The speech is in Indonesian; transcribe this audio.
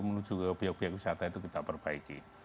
menuju ke biaya biaya wisata itu kita perbaiki